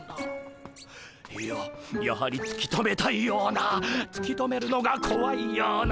いややはりつき止めたいようなつき止めるのがこわいような。